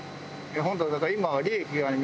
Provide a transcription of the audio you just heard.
本当だから。